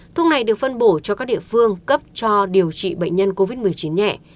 thuốc này được phân bổ cho các địa phương cấp cho điều trị bệnh nhân covid một mươi chín nhẹ